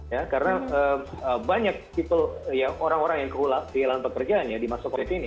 ya karena banyak orang orang yang kehilangan pekerjaan ya dimasukkan ke sini